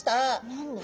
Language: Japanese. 何で？